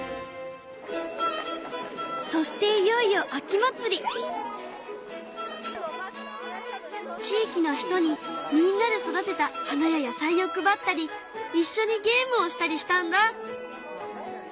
そしていよいよ地域の人にみんなで育てた花や野菜を配ったりいっしょにゲームをしたりしたんだ。